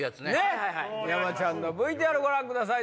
山ちゃんのＶＴＲご覧ください